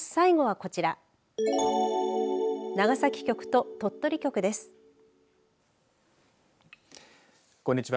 こんにちは。